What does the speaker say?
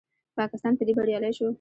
پاکستان په دې بریالی شو